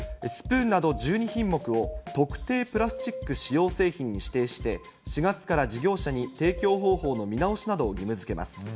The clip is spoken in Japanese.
スプーンなど１２品目を特定プラスチック使用製品に指定して、４月から事業者に提供方法の見直しなどを義務づけます。